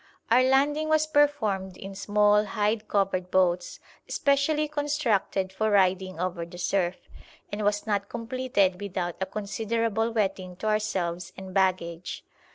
Our landing was performed in small, hide covered boats specially constructed for riding over the surf, and was not completed without a considerable wetting to ourselves and baggage.